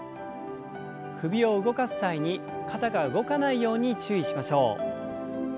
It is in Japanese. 首を動かす際に肩が動かないように注意しましょう。